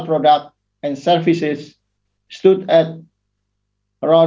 berada di sekitar satu ratus delapan puluh juta usd pada tahun dua ribu dua puluh